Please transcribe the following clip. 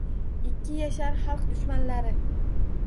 Ikki yashar «xalq dushmanlari».